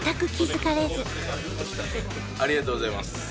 ありがとうございます。